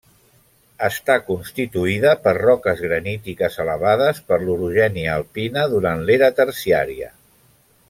Està constituïda per roques granítiques elevades per l'orogènia alpina durant l'era terciària.